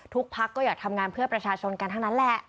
พักก็อยากทำงานเพื่อประชาชนกันทั้งนั้นแหละ